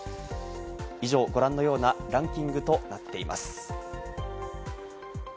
以上、ご覧のようなランキングとなっています。